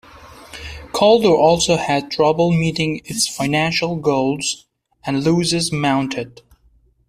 Caldor also had trouble meeting its financial goals and losses mounted.